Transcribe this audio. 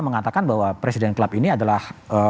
mengatakan bahwa presiden club ini adalah